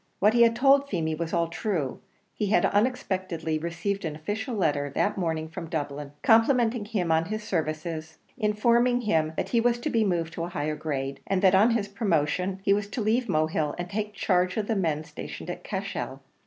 What he had told Feemy was all true; he had unexpectedly received an official letter that morning from the Dublin office, complimenting him on his services, informing him that he was to be moved to a higher grade, and that on his promotion he was to leave Mohill, and take charge of the men stationed at Cashel.